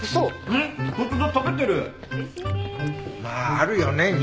まああるよね